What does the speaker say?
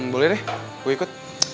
boleh deh gue ikut